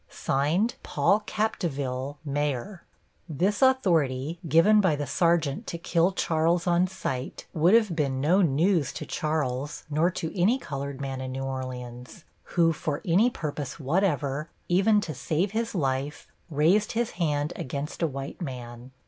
PAUL CAPDEVIELLE, Mayor This authority, given by the sergeant to kill Charles on sight, would have been no news to Charles, nor to any colored man in New Orleans, who, for any purpose whatever, even to save his life, raised his hand against a white man.